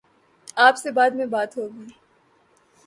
آپ سے بعد میں بات ہو گی۔